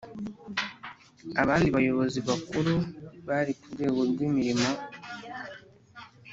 Abandi bayobozi bakuru bari ku rwego rw imirimo